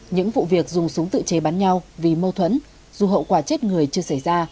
những vụ việc dùng súng tự chế bắn nhau vì mâu thuẫn dù hậu quả chết người chưa xảy ra